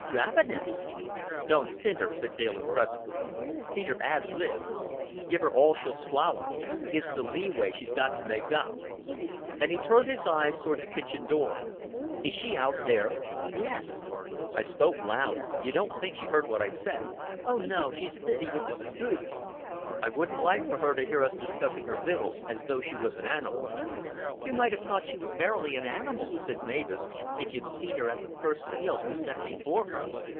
"Ravenous." "Don't stint her," said Dale, impressively. "Feed her ad lib. Give her all she'll swallow. It's the leeway she's got to make up;" and he turned his eyes toward the kitchen door. "Is she out there?" "Yes." "I spoke loud. You don't think she heard what I said?" "Oh, no. She's busy with Mrs. Goudie." "I wouldn't like for her to hear us discussing her victuals as though she was an animal." "You might have thought she was verily an animal," said Mavis, "if you'd seen her at the first meals we set before her.